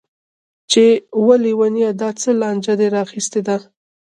چې وه ليونيه دا څه لانجه دې راخيستې ده.